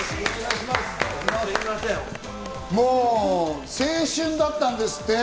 もう青春だったんですって！